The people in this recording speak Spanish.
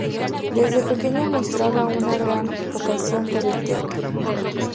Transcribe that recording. Desde pequeña mostraba una gran vocación por el teatro.